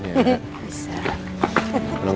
tadi kata ada yang